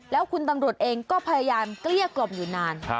แล้วคุณตำรวจเองก็พยายามเกลี้ยกล่อมอยู่นาน